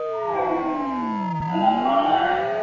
mkataba wa atlantiki ya kaskazini ni kundi la kisiasa na kidini